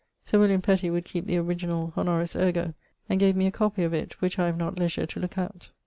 Sir William Petty would keepe the originall honoris ergo and gave me a copie of it, which I have not leisure to looke out.